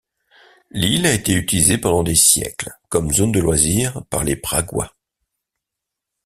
L'île a été utilisée pendant des siècles comme zone de loisirs par les Pragois.